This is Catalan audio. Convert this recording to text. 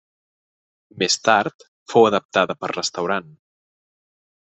Més tard fou adaptada per restaurant.